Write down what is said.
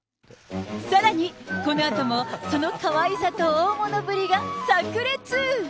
さらに、このあともそのかわいさと大物ぶりがさく裂。